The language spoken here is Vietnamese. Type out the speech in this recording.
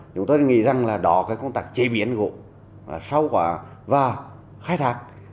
chúng ta nghĩ rằng đó là công tác chế biến gỗ và khai thác